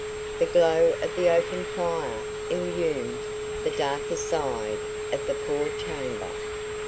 The glow of the open fire illumined the darkest side of the poor chamber.